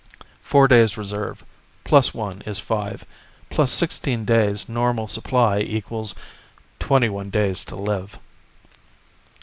Four days reserve plus one is five plus sixteen days normal supply equals twenty one days to live.